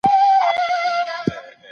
راسه چي دي حسن ته جامي د غزل واغوندم